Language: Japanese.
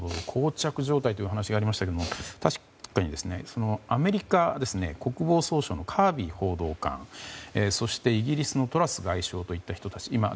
膠着状態というお話がありましたが確かに、アメリカ国防総省のカービー報道官そして、イギリスのトラス外相といった人たち。